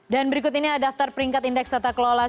dan berikut ini ada daftar peringkat indeks tata kelola sumber daya